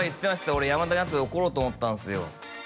俺山田にあとで怒ろうと思ったんですよ